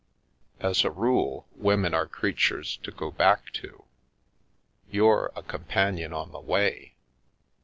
As a rule, women are creatures to go back to. You're a companion on the way.